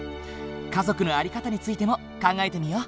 家族の在り方についても考えてみよう。